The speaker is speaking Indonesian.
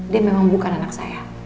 dia memang bukan anak saya